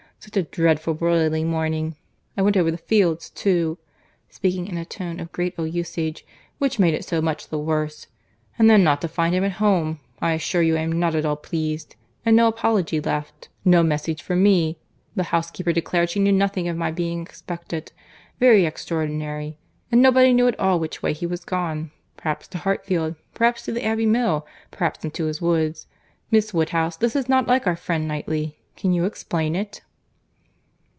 —Such a dreadful broiling morning!—I went over the fields too—(speaking in a tone of great ill usage,) which made it so much the worse. And then not to find him at home! I assure you I am not at all pleased. And no apology left, no message for me. The housekeeper declared she knew nothing of my being expected.—Very extraordinary!—And nobody knew at all which way he was gone. Perhaps to Hartfield, perhaps to the Abbey Mill, perhaps into his woods.—Miss Woodhouse, this is not like our friend Knightley!—Can you explain it?"